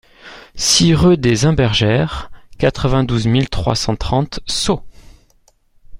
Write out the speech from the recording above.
six rue des Imbergères, quatre-vingt-douze mille trois cent trente Sceaux